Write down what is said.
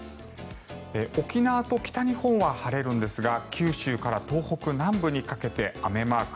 沖縄と北日本は晴れるんですが九州から東北南部にかけて雨マーク。